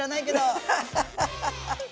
ハハハハハ。